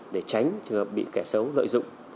để tránh bị kẻ xấu lợi dụng